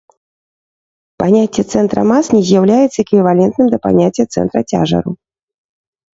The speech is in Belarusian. Паняцце цэнтра мас не з'яўляецца эквівалентным да паняцця цэнтра цяжару.